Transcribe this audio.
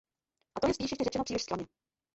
A to je spíš ještě řečeno příliš skromně.